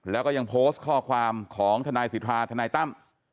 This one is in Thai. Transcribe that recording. แล้วก็ยังโพสต์ข้อความของทนายสิทธาทนายตั้ม